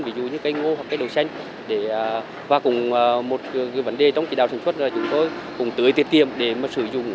ví dụ như cái ngô hoặc cái đồ xanh và một vấn đề trong chỉ đào sản xuất là chúng tôi cũng tưới tiết kiệm để mà sử dụng